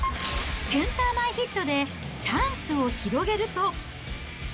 センター前ヒットでチャンスを広げると。